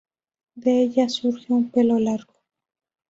De ellas surge un pelo largo.